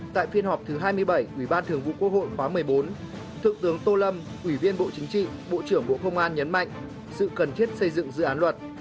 tại phiên họp thứ hai mươi bảy ủy ban thường vụ quốc hội khóa một mươi bốn thượng tướng tô lâm ủy viên bộ chính trị bộ trưởng bộ công an nhấn mạnh sự cần thiết xây dựng dự án luật